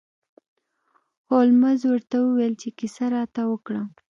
هولمز ورته وویل چې کیسه راته وکړه.